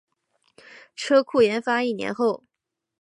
车库研发一年后